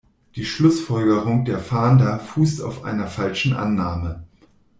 Die Schlussfolgerung der Fahnder fußt auf einer falschen Annahme.